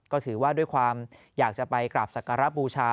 ก็ถือว่าด้วยความอยากจะไปกราบสักการะบูชา